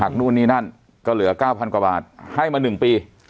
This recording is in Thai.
หักนู่นนี่นั่นก็เหลือเก้าพันกว่าบาทให้มาหนึ่งปี